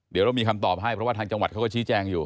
เดี๋ยวเรามีคำตอบให้เพราะว่าทางจังหวัดเขาก็ชี้แจงอยู่